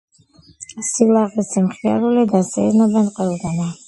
სილაღე, სიმხიარულე დასეირნობენ ყველგანა